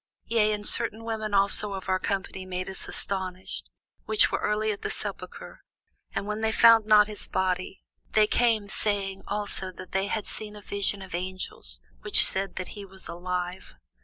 Yea, and certain women also of our company made us astonished, which were early at the sepulchre; and when they found not his body, they came, saying, that they had also seen a vision of angels, which said that he was alive.